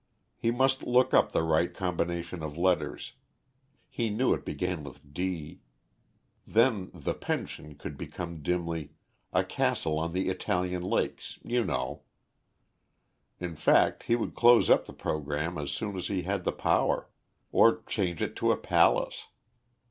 He must look up the right combination of letters; he knew it began with "d." Then the pension could become dimly "A castle on the Italian lakes, you know"; in fact, he would close up the pension as soon as he had the power, or change it to a palace.